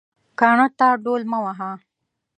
کاڼه ته ډول مه وهه